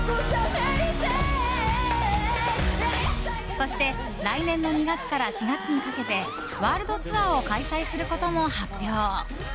そして来年の２月から４月にかけてワールドツアーを開催することも発表。